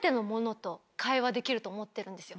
私。と思ってるんですよ。